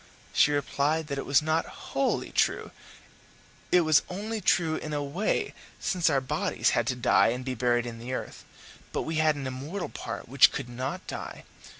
She replied that it was not wholly true; it was only true in a way, since our bodies had to die and be buried in the earth, but we had an immortal part which could not die.